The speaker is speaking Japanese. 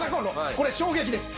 これ衝撃です。